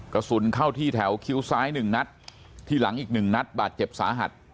กระสุนเข้าที่แถวคิ้วซ้าย๑นัดที่หลังอีก๑นัดบาดเจ็บสาหัส